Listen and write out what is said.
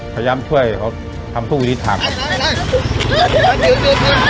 พยายามช่วยเขาทำทุกวิธีทางครับ